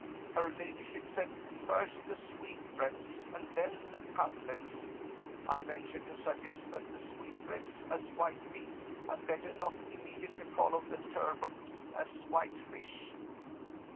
Her ladyship said, 'First the sweetbreads, and then the cutlets.' I ventured to suggest that the sweetbreads, as white meat, had better not immediately follow the turbot, as white fish.